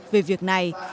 về việc này